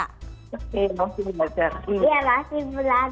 oke masih belajar